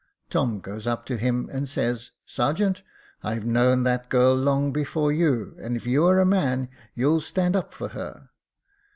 Tom goes up to him, and says, * Sergeant, I've known that girl long before you, and if you are a man, you'll stand up for her.'